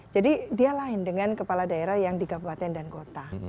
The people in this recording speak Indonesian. jadi dia lain dengan kepala daerah yang di kabupaten dan kota